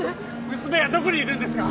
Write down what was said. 娘はどこにいるんですか？